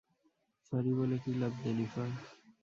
Sorry বলে কী লাভ জেনিফার?